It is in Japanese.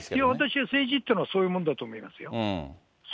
私は政治っていうのはそういうものだと思いますよ。